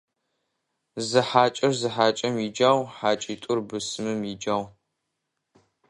Зы хьакӀэр зы хьакӀэм иджагъу, хьакӀитӀур бысымым иджагъу.